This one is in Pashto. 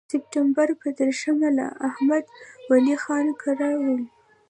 د سپټمبر پر دېرشمه له احمد ولي خان کره وم.